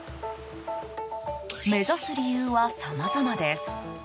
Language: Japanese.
目指す理由はさまざまです。